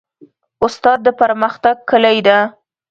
استاد د پرمختګ کلۍ ده.